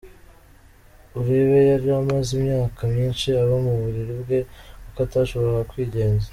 Uribe yari amaze imyaka myinshi aba mu buriri bwe kuko atashoboraga kwigenza.